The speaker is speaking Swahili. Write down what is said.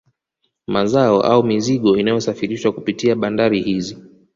Mazao au mizigo inayosafirishwa kupitia bandari hizi